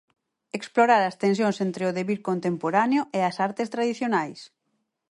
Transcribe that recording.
Explorar as tensións entre o devir contemporáneo e as artes tradicionais.